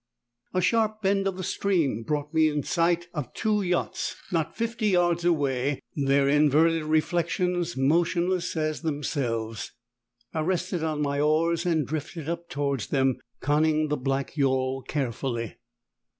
A sharp bend of the stream brought me in sight of the two yachts, not fifty yards away their inverted reflections motionless as themselves; I rested on my oars and drifted up towards them, conning the black yawl carefully.